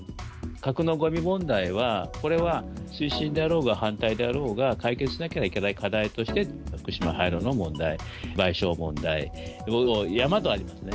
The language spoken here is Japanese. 核のごみ問題は、これは推進であろうが反対であろうが、解決しなければいけない課題として、福島廃炉の問題、賠償問題、山とありますね。